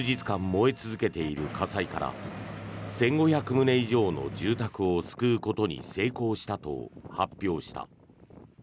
燃え続けている火災から１５００棟以上の住宅を救うことに成功したと発表した。